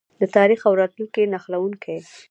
د تاریخ او راتلونکي نښلونکی.